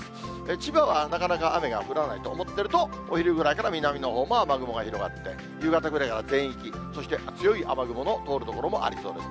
千葉はなかなか雨が降らないと思ってると、お昼ぐらいから南のほうも雨雲が広がって、夕方ぐらいからは全域、そして強い雨雲の通る所もありそうです。